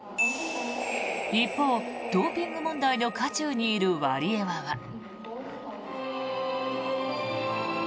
一方、ドーピング問題の渦中にいるワリエワは。